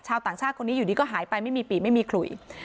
ต่างชาติคนนี้อยู่ดีก็หายไปไม่มีปีไม่มีขลุย